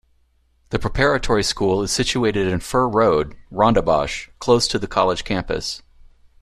The Preparatory School is situated in Fir Road, Rondebosch close to the college campus.